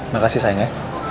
makasih sayang ya